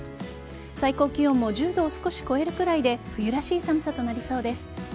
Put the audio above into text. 最高気温も１０度を少し超えるくらいで冬らしい寒さとなりそうです。